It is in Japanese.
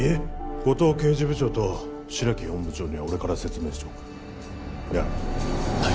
五嶋刑事部長と白木本部長には俺から説明しておくやれ